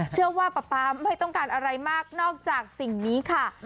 ว่าป๊าป๊าไม่ต้องการอะไรมากนอกจากสิ่งนี้ค่ะ